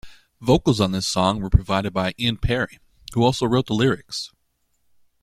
Vocals on this song were provided by Ian Parry, who also wrote the lyrics.